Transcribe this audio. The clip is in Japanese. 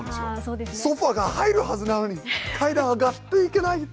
ソファーが入るはずなのに階段上がっていけないっていう。